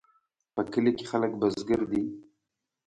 په کلي کې خلک بزګر دي